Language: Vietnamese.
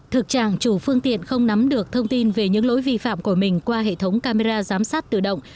thực trạng chủ phương tiện không nắm được thông tin về những lỗi vi phạm của mình qua hệ thống camera giám sát tự động